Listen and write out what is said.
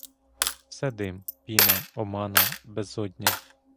Все дим, піна, омана, безодня.